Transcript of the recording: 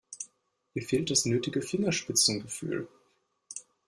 Ihr fehlt das nötige Fingerspitzengefühl.